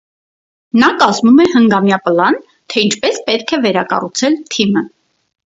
Նա կազմում է հնգամյա պլան, թե ինչպես է պետք վերակառուցել թիմը։